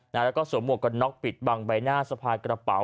แล้วก็สวมหวกกันน็อกปิดบังใบหน้าสะพายกระเป๋า